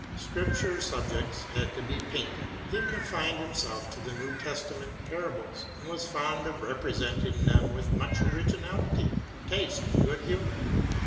Scripture subjects had to be painted. He confined himself to the New Testa ment parables, and was fond of representing them with much originality, taste, and good humor.